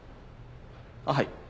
はい。